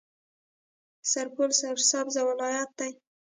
سرپل سرسبزه ولایت دی.